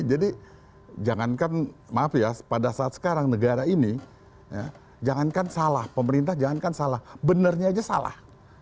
jadi jangankan maaf ya pada saat sekarang negara ini jangankan salah pemerintah jangankan salah benarnya aja salah